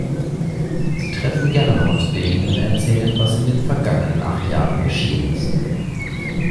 Sie treffen Gernot, der ihnen erzählt, was in den vergangenen acht Jahren geschehen ist.